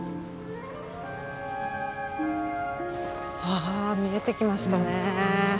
あ見えてきましたね。